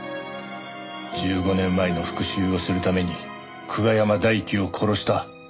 １５年前の復讐をするために久我山大樹を殺した。